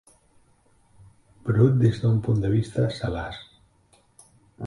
Brut des d'un punt de vista salaç.